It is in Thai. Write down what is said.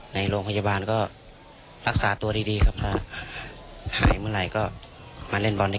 ในโรงพยาบาลก็รักษาตัวดีดีครับถ้าหายเมื่อไหร่ก็มาเล่นบอลได้